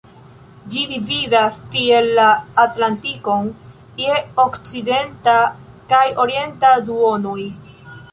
Ĝi dividas tiel la Atlantikon je okcidenta kaj orienta duonoj.